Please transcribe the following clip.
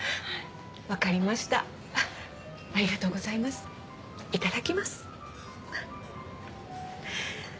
わかりましたありがとうございますいただきます